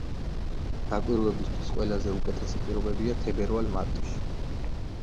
დაკვირვებისათვის ყველაზე უკეთესი პირობებია თებერვალ-მარტში.